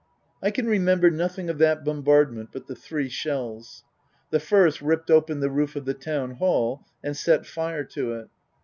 I can remember nothing of that bombardment but the three shells. The first ripped open the roof of the Town Hall and set fire to it.